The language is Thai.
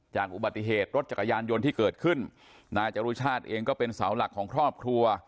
อุบัติเหตุรถจักรยานยนต์ที่เกิดขึ้นนายจรุชาติเองก็เป็นเสาหลักของครอบครัว